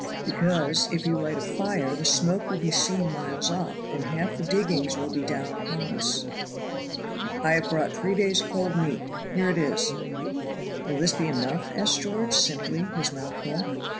"Because, if you light a fire, the smoke will be seen miles off, and half the diggings will be down upon us. I have brought three days' cold meat here it is." "Will this be enough?" asked George, simply, his mouth full.